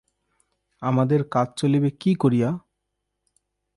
আমাদের কাজ চলিবে কী করিয়া?